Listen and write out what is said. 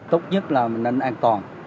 tốt nhất là mình nên an toàn